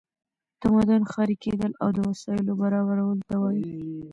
تمدن ښاري کیدل او د وسایلو برابرولو ته وایي.